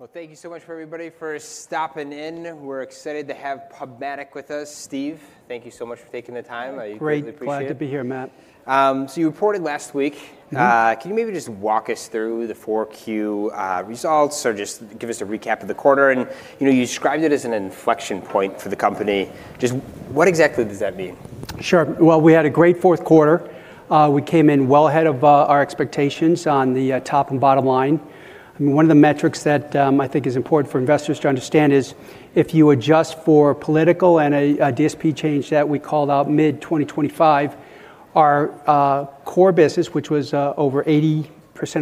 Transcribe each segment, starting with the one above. Well, thank you so much for everybody for stopping in. We're excited to have PubMatic with us. Steve, thank you so much for taking the time. I greatly appreciate it. Great. Glad to be here, Matt. You reported last week. Mm-hmm. Can you maybe just walk us through the 4Q results or just give us a recap of the quarter? you know, you described it as an inflection point for the company. Just what exactly does that mean? Sure. Well, we had a great fourth quarter. We came in well ahead of our expectations on the top and bottom line. I mean, one of the metrics that I think is important for investors to understand is if you adjust for political and a DSP change that we called out mid-2025, our core business, which was over 80%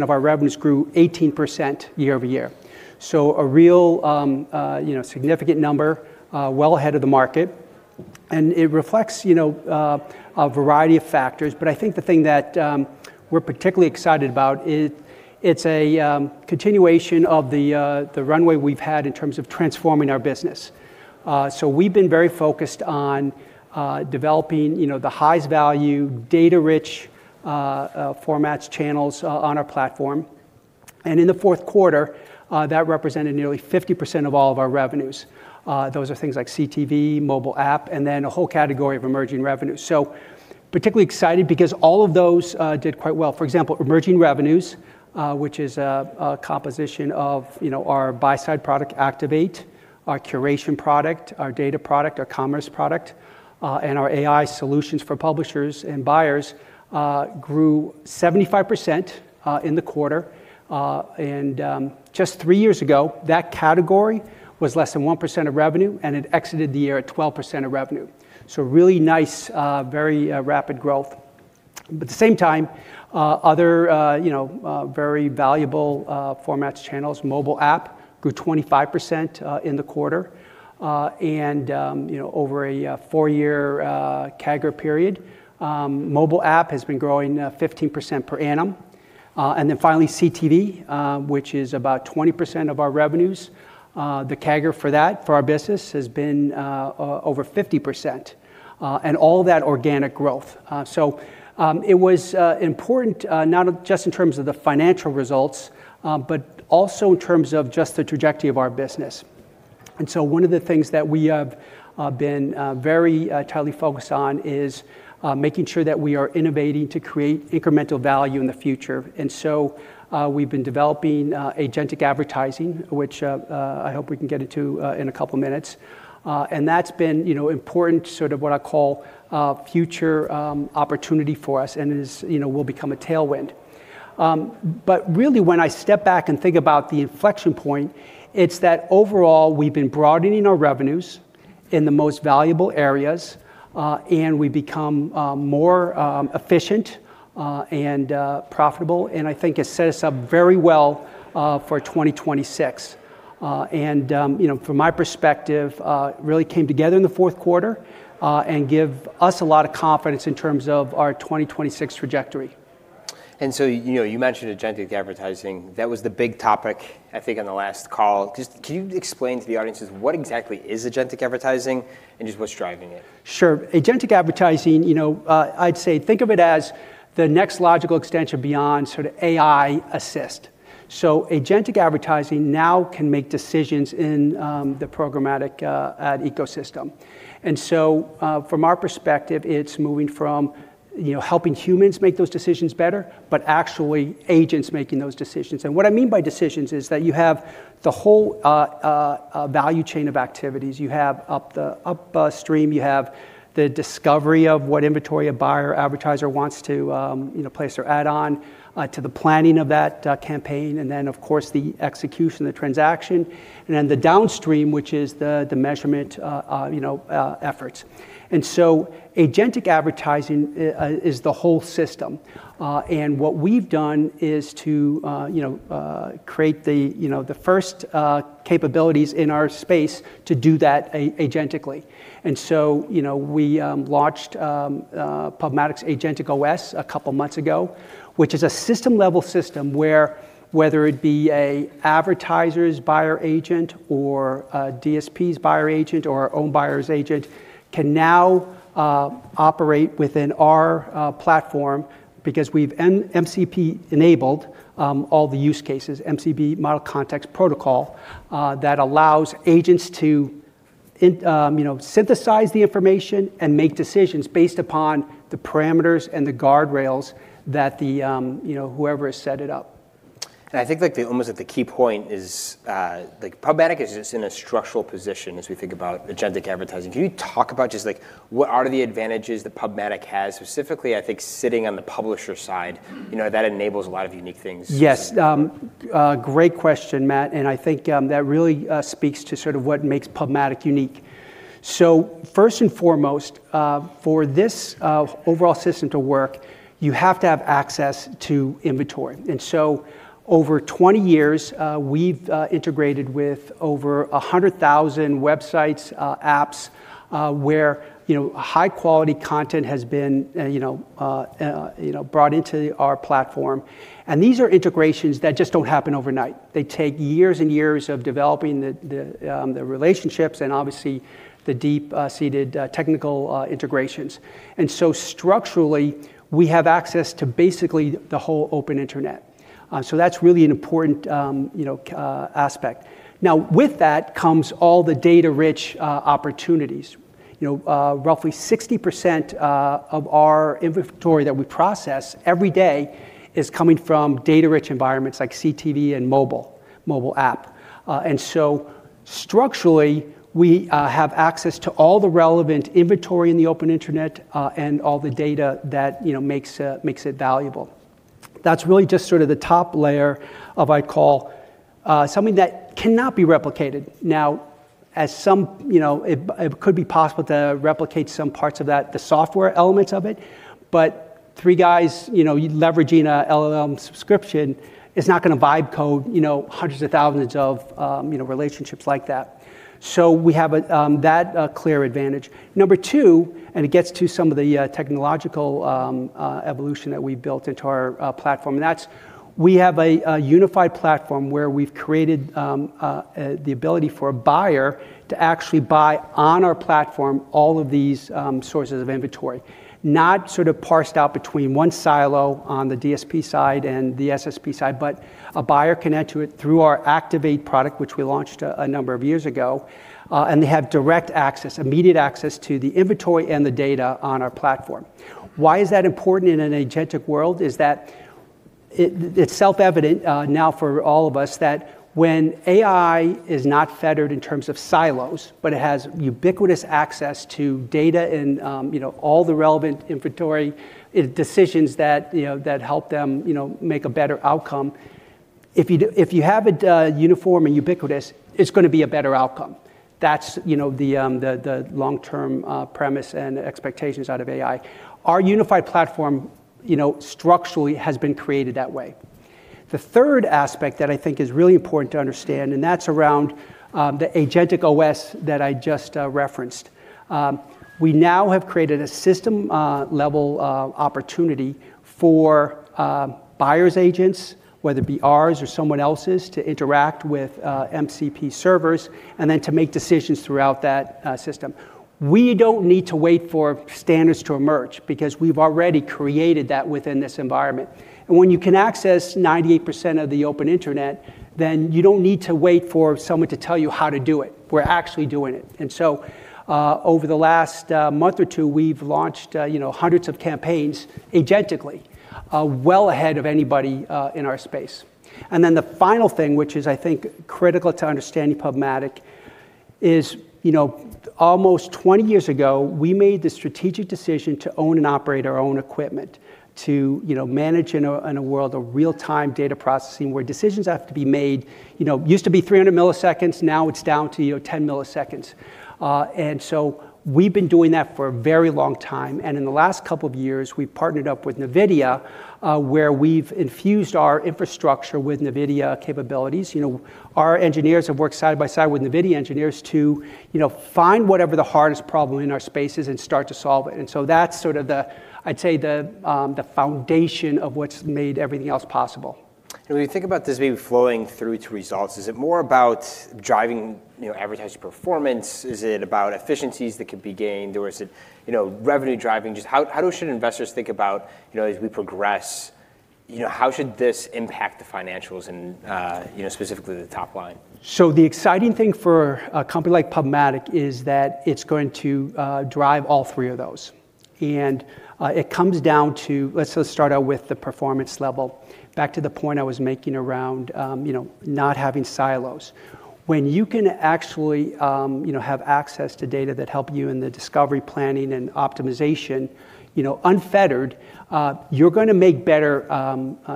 of our revenues, grew 18% year-over-year. A real, you know, significant number, well ahead of the market. It reflects, you know, a variety of factors. But I think the thing that we're particularly excited about it's a continuation of the runway we've had in terms of transforming our business. We've been very focused on, developing, you know, the highest value data-rich, formats channels on our platform. In the fourth quarter, that represented nearly 50% of all of our revenues. Those are things like CTV, Mobile App, and then a whole category of Emerging Revenues. Particularly excited because all of those did quite well. For example, Emerging Revenues, which is a composition of, you know, our buy-side product, Activate, our curation product, our data product, our commerce product, and our AI solutions for publishers and buyers, grew 75% in the quarter. Just three years ago, that category was less than 1% of revenue, and it exited the year at 12% of revenue. Really nice, very rapid growth. At the same time, other, you know, very valuable, formats channels, Mobile App grew 25% in the quarter. And, you know, over a four-year CAGR period, Mobile App has been growing 15% per annum. And then finally, CTV, which is about 20% of our revenues. The CAGR for that, for our business has been over 50%, and all that organic growth. So, it was important, not just in terms of the financial results, but also in terms of just the trajectory of our business. One of the things that we have been very entirely focused on is making sure that we are innovating to create incremental value in the future. We've been developing agentic advertising, which, I hope we can get into in a couple of minutes. That's been, you know, important sort of what I call future opportunity for us and is, you know, will become a tailwind. Really, when I step back and think about the inflection point, it's that overall we've been broadening our revenues in the most valuable areas, and we've become more efficient and profitable. I think it set us up very well for 2026. You know, from my perspective, it really came together in the fourth quarter and give us a lot of confidence in terms of our 2026 trajectory. You know, you mentioned agentic advertising. That was the big topic, I think, on the last call. Just can you explain to the audiences what exactly is agentic advertising and just what's driving it? Sure. Agentic advertising, you know, I'd say think of it as the next logical extension beyond sort of AI assist. Agentic advertising now can make decisions in the programmatic ad ecosystem. From our perspective, it's moving from, you know, helping humans make those decisions better, but actually agents making those decisions. What I mean by decisions is that you have the whole value chain of activities. You have up stream, you have the discovery of what inventory a buyer or advertiser wants to, you know, place their ad on, to the planning of that campaign, and then of course, the execution, the transaction, and then the downstream, which is the measurement, you know, efforts. Agentic advertising is the whole system. What we've done is to, you know, create the, you know, the first capabilities in our space to do that agentically. You know, we launched PubMatic's AgenticOS a couple of months ago, which is a system-level system where whether it be a advertiser's buyer agent or a DSP's buyer agent, or our own buyer's agent can now operate within our platform because we've MCP-enabled all the use cases, MCP, Model Context Protocol, that allows agents to, you know, synthesize the information and make decisions based upon the parameters and the guardrails that the, you know, whoever has set it up. I think like the almost like the key point is, like PubMatic is just in a structural position as we think about agentic advertising. Can you talk about just like what are the advantages that PubMatic has specifically, I think sitting on the publisher side, you know, that enables a lot of unique things? Yes. great question, Matt, and I think that really speaks to sort of what makes PubMatic unique. First and foremost, for this overall system to work, you have to have access to inventory. Over 20 years, we've integrated with over 100,000 websites, apps, where, you know, high-quality content has been, you know, brought into our platform. These are integrations that just don't happen overnight. They take years and years of developing the relationships and obviously the deep-seated technical integrations. Structurally, we have access to basically the whole open internet. That's really an important, you know, aspect. Now with that comes all the data-rich opportunities. You know, roughly 60% of our inventory that we process every day is coming from data-rich environments like CTV and Mobile App. Structurally, we have access to all the relevant inventory in the open internet, and all the data that, you know, makes it valuable. That's really just sort of the top layer of, I'd call, something that cannot be replicated. Now, as some, you know, it could be possible to replicate some parts of that, the software elements of it, but three guys, you know, leveraging a LLM subscription is not gonna vibe code, you know, hundreds of thousands of, you know, relationships like that. We have that clear advantage. Number two, it gets to some of the technological evolution that we built into our platform, and that's we have a unified platform where we've created the ability for a buyer to actually buy on our platform all of these sources of inventory not sort of parsed out between one silo on the DSP side and the SSP side, but a buyer can add to it through our Activate product, which we launched a number of years ago. They have direct access, immediate access to the inventory and the data on our platform. Why is that important in an agentic world is that it's self-evident, now for all of us that when AI is not fettered in terms of silos, but it has ubiquitous access to data and, you know, all the relevant inventory, decisions that, you know, that help them, you know, make a better outcome. If you have it, uniform and ubiquitous, it's gonna be a better outcome. That's, you know, the long-term, premise and expectations out of AI. Our unified platform, you know, structurally has been created that way. The third aspect that I think is really important to understand, and that's around the AgenticOS that I just referenced. We now have created a system, level, opportunity for buyers agents, whether it be ours or someone else's, to interact with MCP servers and then to make decisions throughout that system. We don't need to wait for standards to emerge because we've already created that within this environment. When you can access 98% of the open internet, then you don't need to wait for someone to tell you how to do it. We're actually doing it. Over the last month or two, we've launched, you know, hundreds of campaigns agentically, well ahead of anybody in our space. The final thing, which is I think critical to understanding PubMatic, is, you know, almost 20 years ago, we made the strategic decision to own and operate our own equipment to, you know, manage in a world of real-time data processing where decisions have to be made, you know, used to be 300 ms, now it's down to, you know, 10 ms. We've been doing that for a very long time. In the last couple of years, we've partnered up with NVIDIA, where we've infused our infrastructure with NVIDIA capabilities. You know, our engineers have worked side by side with NVIDIA engineers to, you know, find whatever the hardest problem in our space is and start to solve it. That's sort of the, I'd say the foundation of what's made everything else possible. When you think about this maybe flowing through to results, is it more about driving, you know, advertising performance? Is it about efficiencies that could be gained, or is it, you know, revenue-driving? Just how should investors think about, you know, as we progress, you know, how should this impact the financials and, you know, specifically the top line? The exciting thing for a company like PubMatic is that it's going to drive all three of those. It comes down to, let's just start out with the performance level. Back to the point I was making around, you know, not having silos. When you can actually, you know, have access to data that help you in the discovery, planning, and optimization, you know, unfettered, you're gonna make better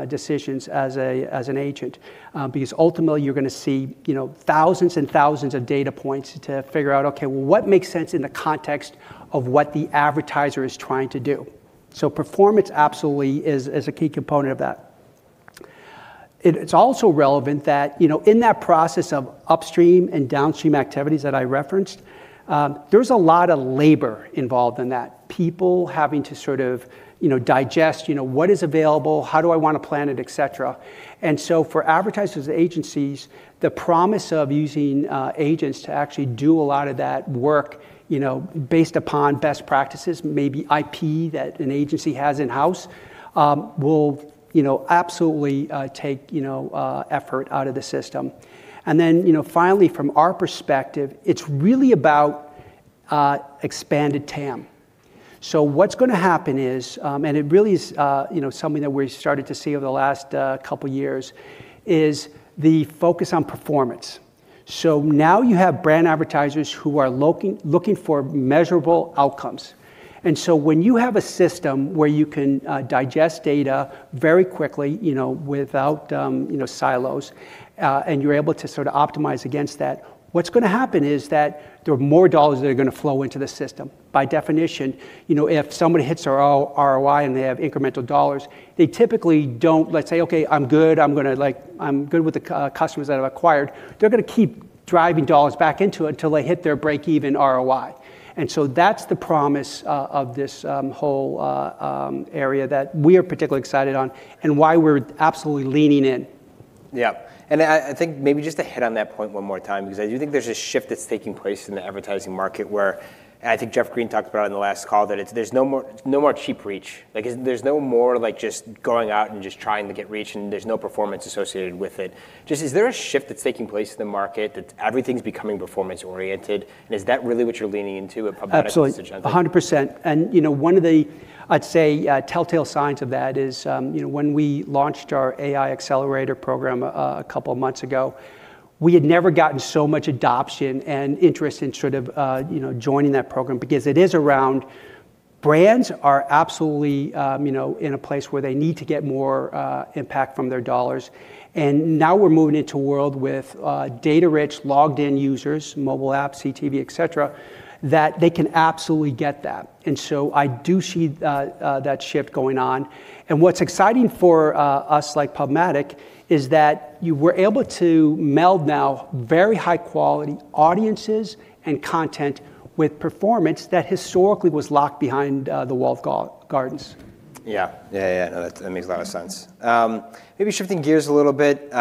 decisions as a, as an agent, because ultimately you're gonna see, you know, thousands and thousands of data points to figure out, okay, well, what makes sense in the context of what the advertiser is trying to do? Performance absolutely is a key component of that. It's also relevant that, you know, in that process of upstream and downstream activities that I referenced, there's a lot of labor involved in that, people having to sort of, you know, digest, you know, what is available, how do I wanna plan it, etc. For advertisers and agencies, the promise of using agents to actually do a lot of that work, you know, based upon best practices, maybe IP that an agency has in-house, will, you know, absolutely take, you know, effort out of the system. Then, you know, finally from our perspective, it's really about expanded TAM. What's gonna happen is, and it really is, you know, something that we started to see over the last couple years, is the focus on performance. Now you have brand advertisers who are looking for measurable outcomes. When you have a system where you can digest data very quickly, you know, without, you know, silos, and you're able to sort of optimize against that, what's gonna happen is that there are more dollars that are gonna flow into the system. By definition, you know, if somebody hits their ROI and they have incremental dollars, they typically don't let's say, "Okay, I'm good. I'm gonna, I'm good with the customers that I've acquired." They're gonna keep driving dollars back into it until they hit their break-even ROI. That's the promise of this whole area that we are particularly excited on and why we're absolutely leaning in. Yeah. I think maybe just to hit on that point one more time, because I do think there's a shift that's taking place in the advertising market where, I think Jeff Green talked about it on the last call, that there's no more cheap reach. Like, there's no more, like, just going out and just trying to get reach, and there's no performance associated with it. Is there a shift that's taking place in the market that everything's becoming performance-oriented, and is that really what you're leaning into at PubMatic? Absolutely. A hundred percent. You know, one of the, I'd say, telltale signs of that is, you know, when we launched our AI accelerator program a couple of months ago, we had never gotten so much adoption and interest in sort of, you know, joining that program because it is around brands are absolutely, you know, in a place where they need to get more impact from their dollars. Now we're moving into a world with data-rich logged-in users, Mobile Apps, CTV, et cetera, that they can absolutely get that. I do see that shift going on. What's exciting for us, like PubMatic, is that we're able to meld now very high-quality audiences and content with performance that historically was locked behind the walled gardens. Yeah. No, that makes a lot of sense. Maybe shifting gears a little bit,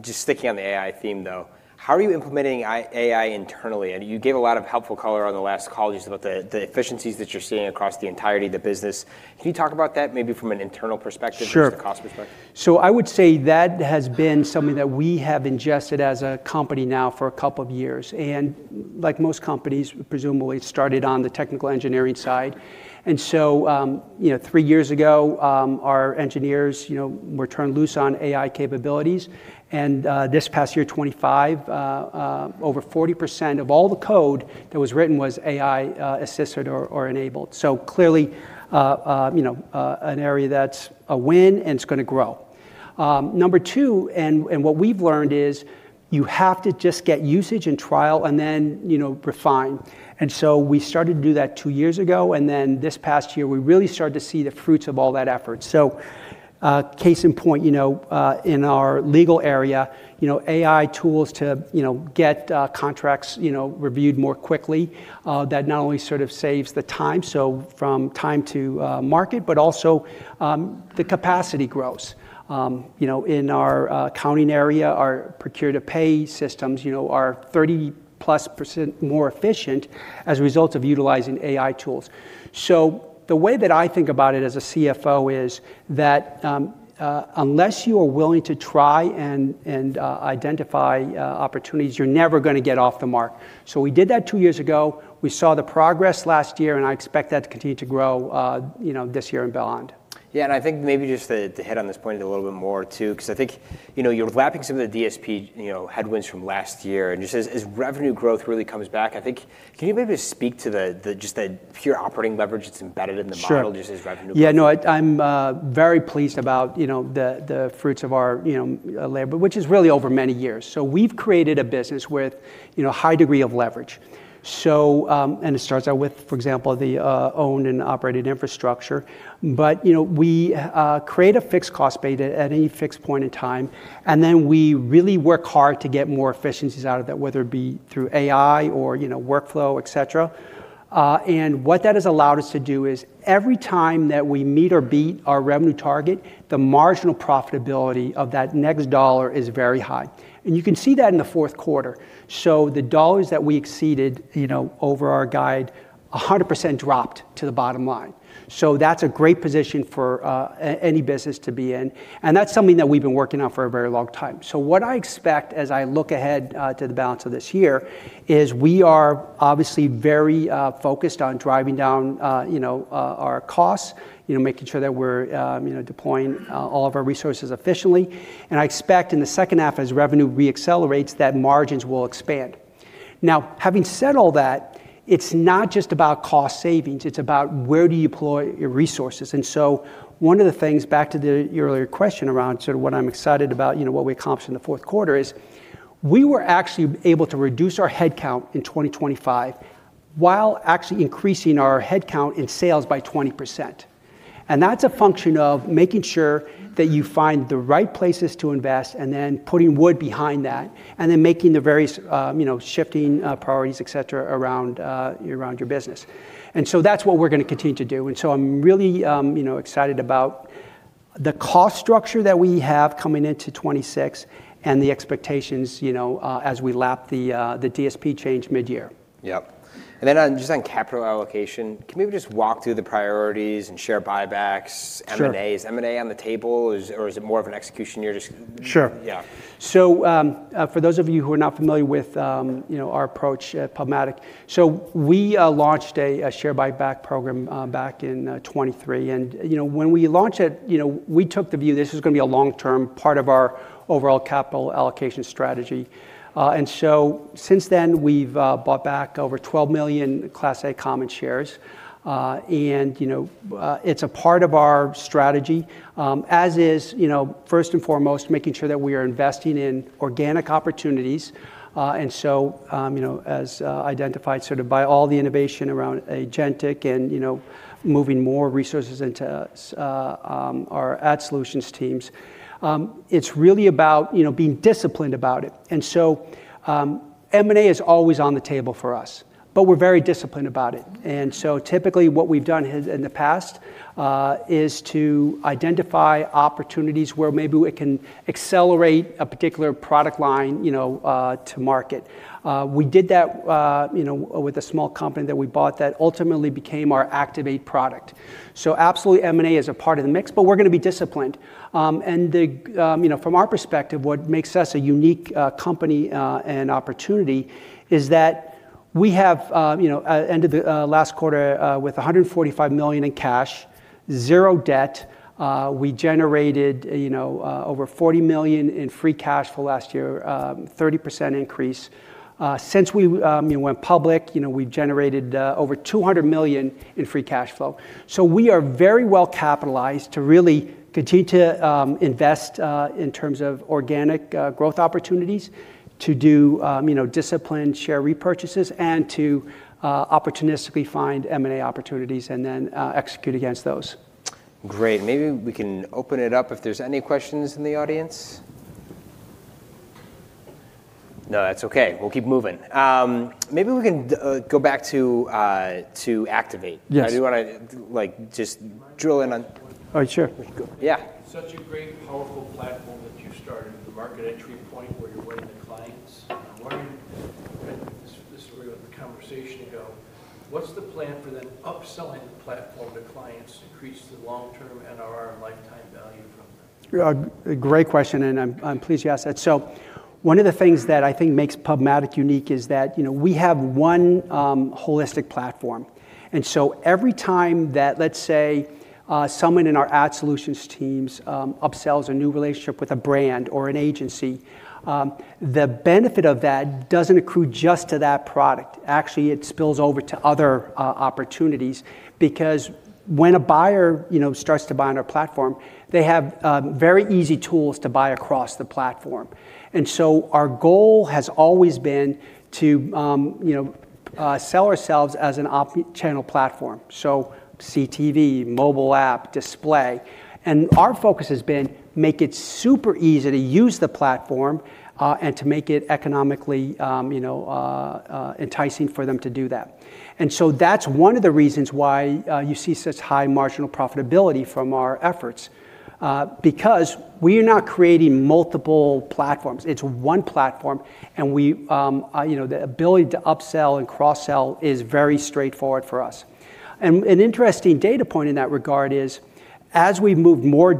just sticking on the AI theme though, how are you implementing AI internally? I mean, you gave a lot of helpful color on the last call just about the efficiencies that you're seeing across the entirety of the business. Can you talk about that maybe from an internal perspective? Sure ...just from a cost perspective? I would say that has been something that we have ingested as a company now for a couple of years. Like most companies, presumably it started on the technical engineering side. You know, three years ago, our engineers, you know, were turned loose on AI capabilities. This past year, 2025, over 40% of all the code that was written was AI assisted or enabled. Clearly, you know, an area that's a win and it's gonna grow. Number two, and what we've learned is you have to just get usage and trial and then, you know, refine. We started to do that two years ago, then this past year we really started to see the fruits of all that effort. Case in point, you know, in our legal area, you know, AI tools to, you know, get contracts, you know, reviewed more quickly, that not only sort of saves the time, from time to market, but also the capacity grows. You know, in our accounting area, our procure-to-pay systems, you know, are 30%+ more efficient as a result of utilizing AI tools. The way that I think about it as a CFO is that, unless you are willing to try and identify opportunities, you're never gonna get off the mark. We did that two years ago, we saw the progress last year, and I expect that to continue to grow, you know, this year and beyond. Yeah. I think maybe just to hit on this point a little bit more too, 'cause I think, you know, you're lapping some of the DSP, you know, headwinds from last year. Just as revenue growth really comes back, I think can you maybe just speak to the just the pure operating leverage that's embedded in the model... Sure just as revenue grows? Yeah, no, I'm very pleased about, you know, the fruits of our, you know, labor, but which is really over many years. We've created a business with, you know, a high degree of leverage. It starts out with, for example, the owned and operated infrastructure. You know, we create a fixed cost base at any fixed point in time, and then we really work hard to get more efficiencies out of that, whether it be through AI or, you know, workflow, et cetera. What that has allowed us to do is every time that we meet or beat our revenue target, the marginal profitability of that next dollar is very high. You can see that in the fourth quarter. The dollars that we exceeded, you know, over our guide, 100% dropped to the bottom line. That's a great position for any business to be in, and that's something that we've been working on for a very long time. What I expect as I look ahead to the balance of this year is we are obviously very focused on driving down, you know, our costs, you know, making sure that we're, you know, deploying all of our resources efficiently. I expect in the second half as revenue re-accelerates, that margins will expand. Having said all that, it's not just about cost savings, it's about where do you deploy your resources. One of the things, back to your earlier question around sort of what I'm excited about, you know, what we accomplished in the fourth quarter is we were actually able to reduce our headcount in 2025 while actually increasing our headcount in sales by 20%. That's a function of making sure that you find the right places to invest, and then putting wood behind that, and then making the various, you know, shifting priorities, et cetera, around your business. That's what we're gonna continue to do. I'm really, you know, excited about the cost structure that we have coming into 2026 and the expectations, you know, as we lap the DSP change mid-year. Yep. Then on, just on capital allocation, can you maybe just walk through the priorities and share buybacks? Sure. M&As. M&A on the table? Or is it more of an execution you're just- Sure. Yeah. For those of you who are not familiar with, you know, our approach at PubMatic, we launched a share buyback program back in 2023. You know, when we launched it, you know, we took the view this was gonna be a long-term part of our overall capital allocation strategy. Since then, we've bought back over $12 million Class A common shares. You know, it's a part of our strategy, as is, you know, first and foremost, making sure that we are investing in organic opportunities. You know, as identified sort of by all the innovation around agentic and, you know, moving more resources into our ad solutions teams. It's really about, you know, being disciplined about it. M&A is always on the table for us, but we're very disciplined about it. Typically what we've done in the past, is to identify opportunities where maybe we can accelerate a particular product line, you know, to market. We did that, you know, with a small company that we bought that ultimately became our Activate product. Absolutely M&A is a part of the mix, but we're gonna be disciplined. You know, from our perspective, what makes us a unique company and opportunity is that we have, you know, ended the last quarter with $145 million in cash, zero debt. We generated, you know, over $40 million in free cash flow last year, 30% increase. Since we, you know, went public, you know, we've generated over $200 million in free cash flow. We are very well capitalized to really continue to invest in terms of organic growth opportunities, to do, you know, disciplined share repurchases, and to opportunistically find M&A opportunities and then execute against those. Great. Maybe we can open it up if there's any questions in the audience. No, that's okay. We'll keep moving. Maybe we can go back to Activate. Yes. I do wanna like, just drill in. Mind if I ask a question? Oh, sure. Yeah. Such a great powerful platform that you started, the market entry point where you're winning the clients. I'm wondering, this is where the conversation can go, what's the plan for then upselling the platform to clients to increase the long-term NRR and lifetime value from it? Great question, I'm pleased you asked that. One of the things that I think makes PubMatic unique is that, you know, we have one holistic platform. Every time that, let's say, someone in our ad solutions teams upsells a new relationship with a brand or an agency, the benefit of that doesn't accrue just to that product. Actually, it spills over to other opportunities because when a buyer, you know, starts to buy on our platform, they have very easy tools to buy across the platform. Our goal has always been to, you know, sell ourselves as an omni channel platform, so CTV, Mobile App, Display. Our focus has been make it super easy to use the platform and to make it economically, you know, enticing for them to do that. That's one of the reasons why you see such high marginal profitability from our efforts, because we are not creating multiple platforms. It's one platform, and we, you know, the ability to upsell and cross-sell is very straightforward for us. An interesting data point in that regard is, as we move more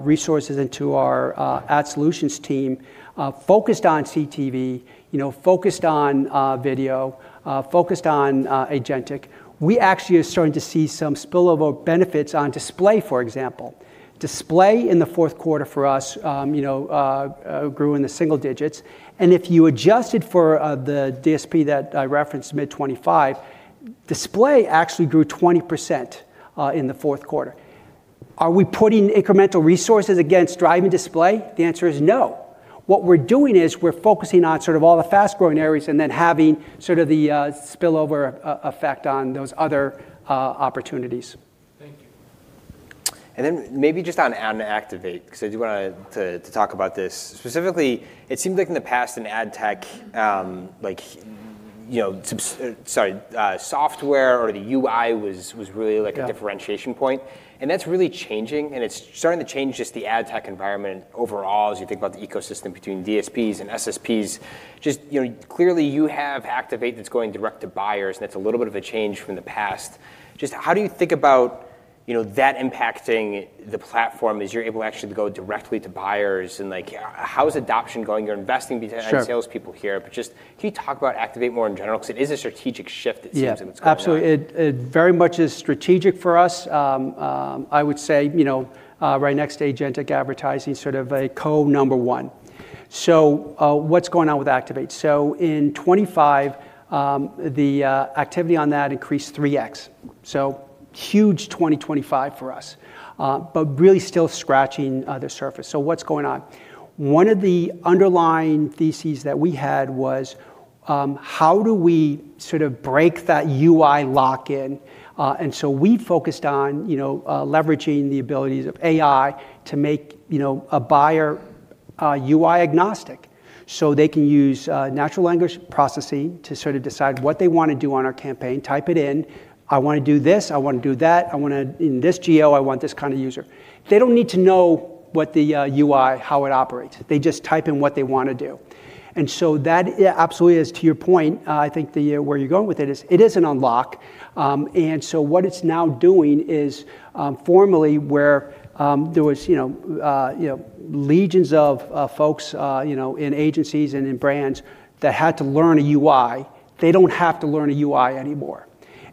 resources into our ad solutions team, focused on CTV, you know, focused on video, focused on agentic, we actually are starting to see some spillover benefits on display, for example. Display in the fourth quarter for us, you know, grew in the single digits. If you adjusted for the DSP that I referenced, mid 25%, display actually grew 20% in the fourth quarter. Are we putting incremental resources against drive and display? The answer is no. What we're doing is we're focusing on sort of all the fast-growing areas and then having sort of the spillover effect on those other opportunities. Thank you. Maybe just on ad and Activate, 'cause I do wanna talk about this. Specifically, it seems like in the past in ad tech, like, you know, sorry, software or the UI was really like. Yeah ...a differentiation point. That's really changing, and it's starting to change just the ad tech environment overall as you think about the ecosystem between DSPs and SSPs. You know, clearly you have Activate that's going direct to buyers. That's a little bit of a change from the past. How do you think about, you know, that impacting the platform as you're able to actually go directly to buyers, like, how is adoption going? You're investing these. Sure. ...ad salespeople here, just can you talk about Activate more in general? 'Cause it is a strategic shift, it seems, in what's going on. Yeah, absolutely. It very much is strategic for us. I would say, you know, right next to agentic advertising, sort of a co number one. What's going on with Activate? In 2025, the activity on that increased 3x, so huge 2025 for us, but really still scratching the surface. What's going on? One of the underlying theses that we had was, how do we sort of break that UI lock-in? We focused on, you know, leveraging the abilities of AI to make, you know, a buyer-UI agnostic. They can use natural language processing to sort of decide what they wanna do on our campaign, type it in. I wanna do this, I wanna do that, I want it in this geo, I want this kind of user." They don't need to know what the UI, how it operates. They just type in what they wanna do. That, yeah, absolutely is to your point, I think the where you're going with it is, it is an unlock. What it's now doing is, formally where there was, you know, legions of folks, you know, in agencies and in brands that had to learn a UI, they don't have to learn a UI anymore.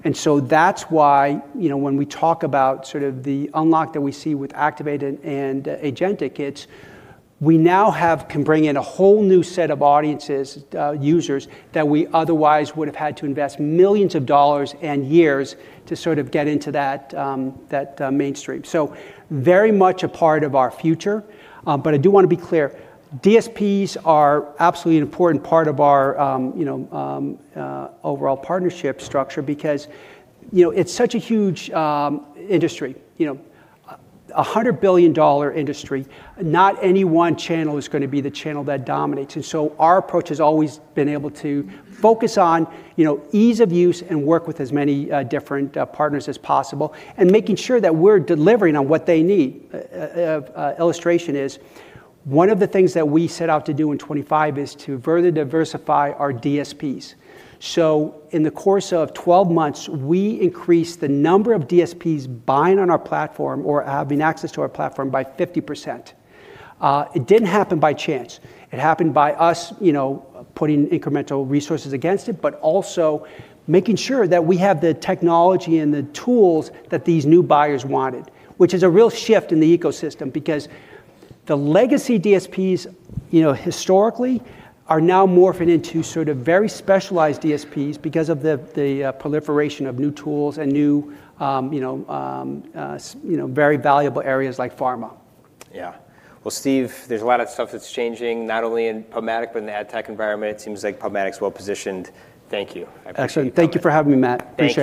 That's why, you know, when we talk about sort of the unlock that we see with Activated and agentic, it's... We now have, can bring in a whole new set of audiences, users that we otherwise would have had to invest millions of dollars and years to sort of get into that mainstream. Very much a part of our future, but I do wanna be clear, DSPs are absolutely an important part of our, you know, overall partnership structure because, you know, it's such a huge industry. You know, a $100 billion industry, not any one channel is gonna be the channel that dominates. Our approach has always been able to focus on, you know, ease of use and work with as many different partners as possible, and making sure that we're delivering on what they need. illustration is one of the things that we set out to do in 2025 is to further diversify our DSPs. In the course of 12 months, we increased the number of DSPs buying on our platform or having access to our platform by 50%. It didn't happen by chance. It happened by us, you know, putting incremental resources against it, but also making sure that we have the technology and the tools that these new buyers wanted, which is a real shift in the ecosystem because the legacy DSPs, you know, historically are now morphing into sort of very specialized DSPs because of the proliferation of new tools and new, you know, very valuable areas like pharma. Yeah. Well, Steve, there's a lot of stuff that's changing, not only in PubMatic but in the ad tech environment. It seems like PubMatic's well-positioned. Thank you. I appreciate you coming. Excellent. Thank you for having me, Matt. Appreciate it.